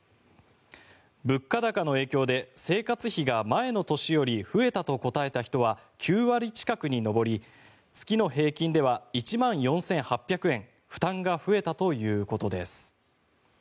物価高の影響で生活費が前の年より増えたと答えた人は９割近くに上り月の平均では１万４８００円負担が増えたということです。